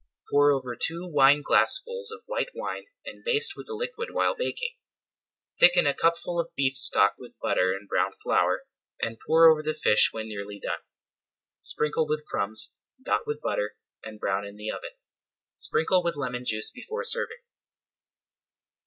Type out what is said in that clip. Pour over two wine glassfuls of white wine and baste with the liquid while baking. Thicken a cupful of beef stock with butter and browned flour, and [Page 207] pour over the fish when nearly done. Sprinkle with crumbs, dot with butter, and brown in the oven. Sprinkle with lemon juice before serving.